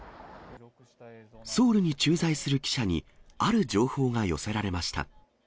ソウルに駐在する記者にある情報が寄せられました。